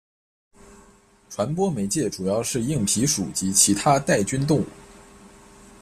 传播媒介主要是硬蜱属及其它带菌动物。